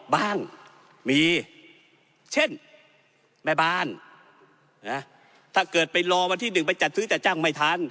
บ้างมีเช่นแม่บ้านถ้าเกิดไปรอวันที่หนึ่งไปจัดซื้อจัดจ้างไม่ทัน